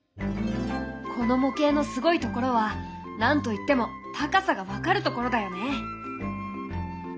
この模型のすごいところは何と言っても高さが分かるところだよね。